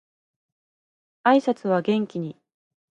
挨拶は元気に